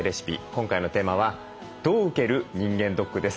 今回のテーマは「どう受ける？人間ドック」です。